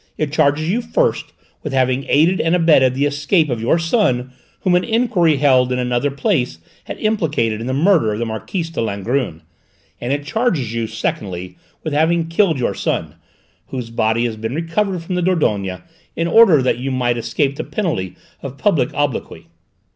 It charges you first with having aided and abetted the escape of your son, whom an enquiry held in another place had implicated in the murder of the Marquise de Langrune; and it charges you secondly with having killed your son, whose body has been recovered from the Dordogne, in order that you might escape the penalty of public obloquy."